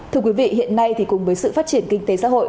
thưa quý vị hiện nay thì cùng với sự phát triển kinh tế xã hội